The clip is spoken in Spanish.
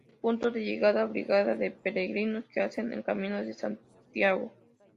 Es punto de llegada obligada de peregrinos que hacen el Camino de Santiago.